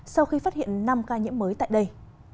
sau khi phát hiện năm ca nhiễm mới tại đây